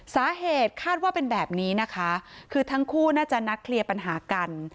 สาเหตุคาดว่าเป็นแบบนี้นะคะคือทั้งคู่น่าจะนัดเคลียร์ปัญหากัน